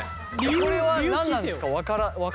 これは何なんですか？